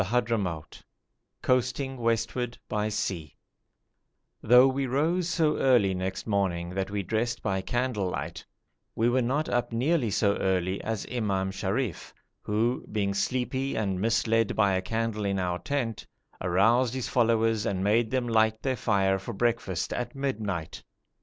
CHAPTER XVII COASTING WESTWARD BY SEA Though we rose so early next morning that we dressed by candle light, we were not up nearly so early as Imam Sharif, who, being sleepy and misled by a candle in our tent, aroused his followers and made them light their fire for breakfast at midnight.